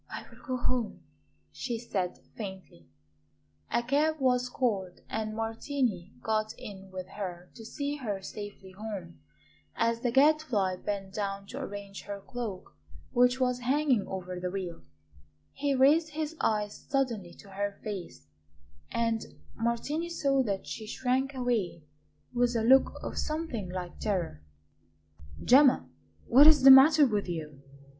"I will go home," she said faintly. A cab was called and Martini got in with her to see her safely home. As the Gadfly bent down to arrange her cloak, which was hanging over the wheel, he raised his eyes suddenly to her face, and Martini saw that she shrank away with a look of something like terror. "Gemma, what is the matter with you?"